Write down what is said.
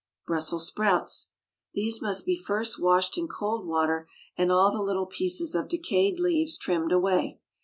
BRUSSELS SPROUTS. These must be first washed in cold water and all the little pieces of decayed leaves trimmed away.